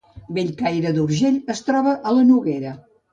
Bellcaire d’Urgell es troba a la Noguera